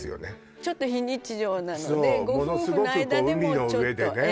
ちょっと非日常なのでそうご夫婦の間でもちょっとええ